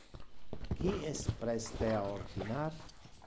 Qui es preste a ordinar?